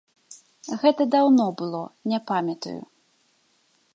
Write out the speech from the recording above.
Гэта даўно было, не памятаю.